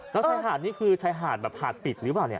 แล้วชายหาดนี่คือชายหาดแบบหาดปิดหรือเปล่าเนี่ย